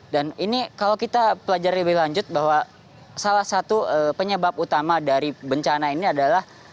dan ini kalau kita belajar lebih lanjut bahwa salah satu penyebab utama dari bencana ini adalah